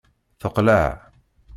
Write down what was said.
Teqleɛ.